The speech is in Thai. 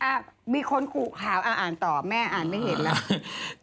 อะมีค้นกุข่าวมาอ่านต่อแม่อ่านไม่เห็นนะ